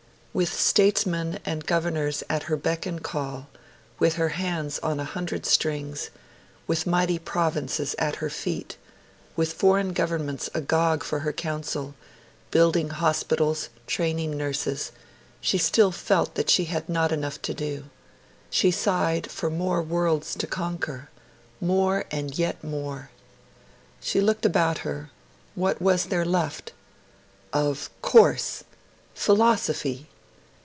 With statesmen and governors at her beck and call, with her hands on a hundred strings, with mighty provinces at her feet, with foreign governments agog for her counsel, building hospitals, training nurses she still felt that she had not enough to do. She sighed for more worlds to conquer more, and yet more. She looked about her what was left? Of course! Philosophy!